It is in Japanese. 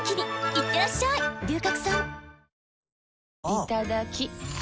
いただきっ！